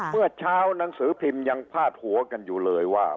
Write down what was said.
เมื่อเช้าหนังสือพิมพ์ยังพาดหัวกันอยู่เลยว่า